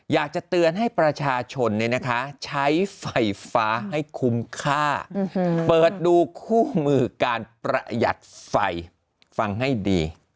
อยากจะเตือนให้ประชาชนใช้ไฟฟ้าให้คุ้มค่าเปิดดูคู่มือการประหยัดไฟฟังให้ดี